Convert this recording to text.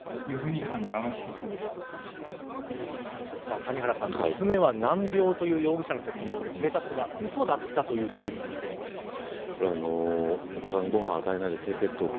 谷原さん、娘は難病という容疑者の説明警察はうそだったというふうにお子さんにご飯を与えないで低血糖症。